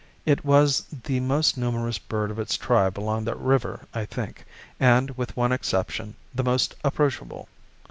It was the most numerous bird of its tribe along the river, I think, and, with one exception, the most approachable.